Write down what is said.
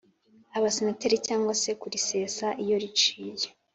Abasenateri cyangwa se kurisesa iyo riciye